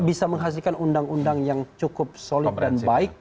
bisa menghasilkan undang undang yang cukup solid dan baik